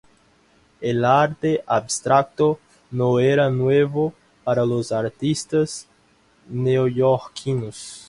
El arte abstracto no era nuevo para los artistas neoyorquinos.